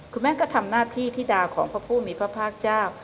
คุณแม่ก็ทำหน้าที่ธิดาของพระผู้มีพระภาคเจ้า